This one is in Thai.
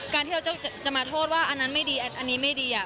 ที่เราจะมาโทษว่าอันนั้นไม่ดีอันนี้ไม่ดีอ่ะ